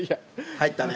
入ったね。